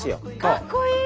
かっこいい！